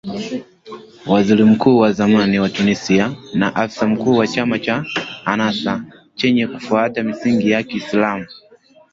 Waziri Mkuu wa zamani wa Tunisia na afisa mkuu wa chama cha Ennahdha chenye kufuata misingi ya kiislam.